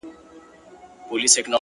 • خو باور ستا په ورورۍ به څنگه وکړم,